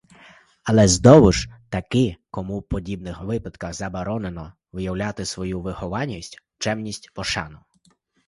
Але знову ж таки кому в подібних випадках заборонено виявляти свою вихованість, чемність, пошану?